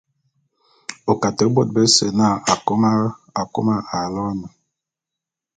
O Kate bôt beté bese na Akôma aloene.